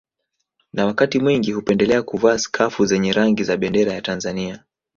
Na wakati mwingi hupendelea kuvaa skafu zenye rangi za bendera ya Tanzania